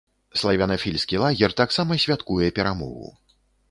Славянафільскі лагер таксама святкуе перамогу.